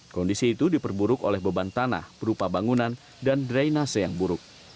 kondisi itu diperburuk oleh beban tanah berupa bangunan dan drainase yang buruk